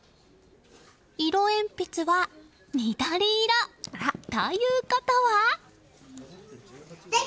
色鉛筆は緑色。ということは。